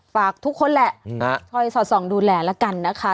ฝากทุกคนแหละช่วยสอดส่องดูแลแล้วกันนะคะ